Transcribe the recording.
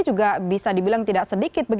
juga bisa dibilang tidak sedikit